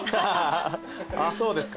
「あそうですか」？